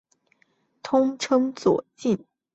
通称左近。